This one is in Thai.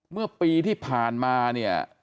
เมื่อปีที่ผ่านมาเนี่ย